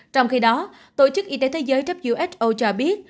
trong khi đó tổ chức y tế thế giới who cho biết